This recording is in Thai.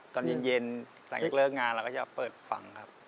ตอนเย็นหลังจากเลิกงานเราก็จะเปิดฝังครับ